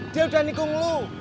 dia udah nikung lo